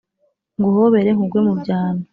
Nguhobere nkugwe mu byano